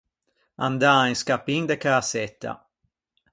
Andâ in scappin de cäsetta.